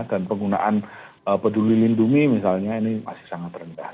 dan penggunaan peduli lindungi misalnya ini masih sangat rendah